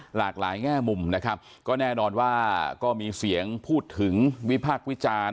หลากหลายแง่มุมนะครับก็แน่นอนว่าก็มีเสียงพูดถึงวิพากษ์วิจารณ์